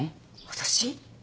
私？